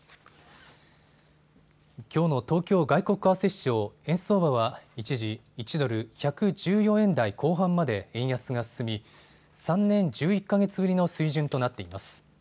きょうの東京外国為替市場、円相場は一時１ドル１１４円台後半まで円安が進み３年１１か月ぶりの水準となっています。